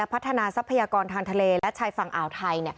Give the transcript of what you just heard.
ทรัพยากรทางทะเลและชายฝั่งอ่าวไทย